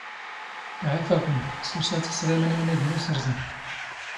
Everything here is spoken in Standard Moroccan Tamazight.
ⵄⴰⴼⴰ ⴽⵯⵏ, ⵙⵔⵙⴰⵜ ⵉⵙⵖⵉⵎⵏ ⵎⵏⵉⴷ ⵏ ⵓⵙⵕⵥⵎ.